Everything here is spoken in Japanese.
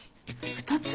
２つ？